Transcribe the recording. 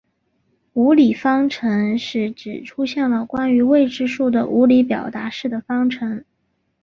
无理方程是指出现了关于未知数的无理表达式的方程。